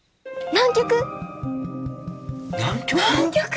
南極？